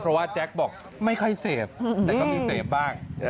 เพราะว่าแจ๊คบอกไม่ค่อยเสพแต่ก็มีเสพบ้าง